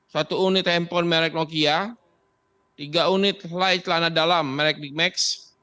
satu unit handphone merek nokia tiga unit laik kelana dalam merek big max